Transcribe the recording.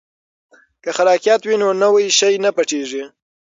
که خلاقیت وي نو نوی شی نه پټیږي.